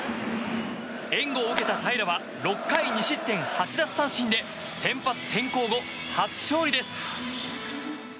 援護を受けた平良は６回２失点８奪三振で先発転向後、初勝利です。